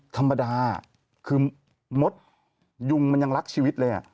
ธรรมดาคือมดยุงมันยังรักชีวิตเลย